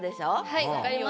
はいわかります。